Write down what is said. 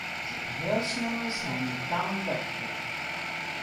As it heel slim is, helje dan in dokter.